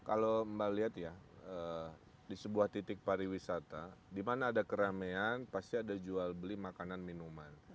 kalau mbak lihat ya di sebuah titik pariwisata di mana ada keramaian pasti ada jual beli makanan minuman